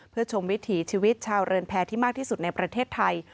เพื่อชมวิถีชีวิตชาวเรือนแพรที่มากที่สุดในประเทศไทย